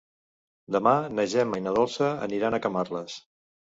Demà na Gemma i na Dolça aniran a Camarles.